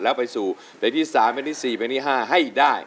แล้วไปสู่ใดที่๓ใดที่๔ใดที่๕ให้ได้